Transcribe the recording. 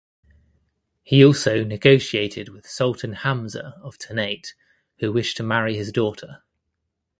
He also negotiated with Sultan Hamza of Ternate who wished to marry his daughter.